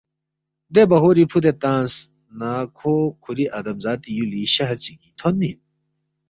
دے بہوری فُودے تنگس نہ کھو کھُوری آدم ذاتی یُولی شہر چگِنگ تھونمی اِن